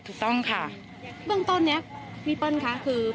ถูกต้องค่ะเบื้องต้นนี้พี่เปิ้ลค่ะคือ